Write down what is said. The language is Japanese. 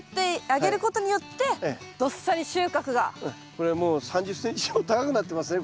これはもう３０ｃｍ以上高くなってますね